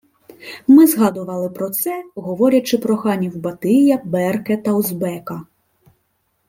Ми згадували про це, говорячи про ханів Батия, Берке та Узбека